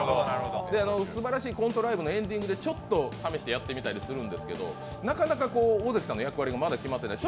すばらしいコントライブのエンディングで、ちょっと試してやってみたりするんですけど、なかなか尾関さんの役割が決まっていない。